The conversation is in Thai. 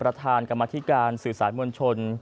ประธานกรรมธิการสื่อสารมวลชน